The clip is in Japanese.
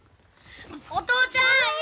お父ちゃん嫌や！